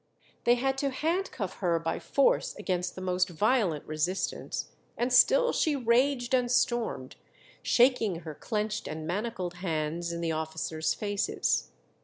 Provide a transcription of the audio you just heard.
They had to handcuff her by force against the most violent resistance, and still she raged and stormed, shaking her clenched and manacled hands in the officers' faces.